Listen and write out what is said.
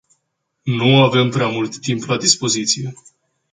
Nu avem prea mult timp la dispoziție.